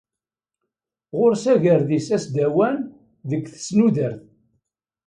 Ɣur-s agerdis asdawan deg tesnudert.